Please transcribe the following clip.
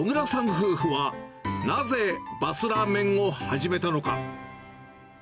夫婦は、なぜバスラーメンを始めたのか。